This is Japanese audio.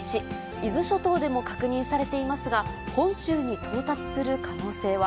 伊豆諸島でも確認されていますが、本州に到達する可能性は。